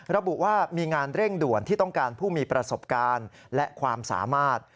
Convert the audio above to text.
ระบุว่ามีงานเร่งด่วนที่ต้องการผู้มีประสบการณ์และความสามารถ